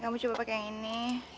kamu coba pakai yang ini